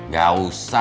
gak usah saya bilang